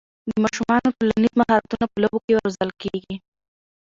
د ماشومانو ټولنیز مهارتونه په لوبو کې روزل کېږي.